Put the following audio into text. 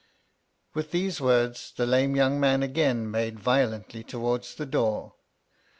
With these words, the lame young mail again made violently towards the door.